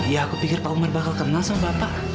ya aku pikir pak umar bakal kenal sama bapak